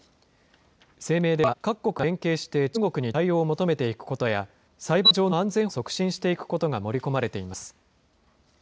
声明では、各国が連携して中国に対応を求めていくことや、サイバー上の安全保障を促進していくことが盛り込まれています。